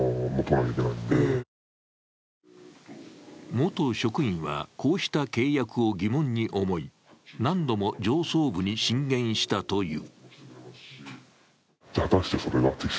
元職員は、こうした契約を疑問に思い何度も上層部に進言したという。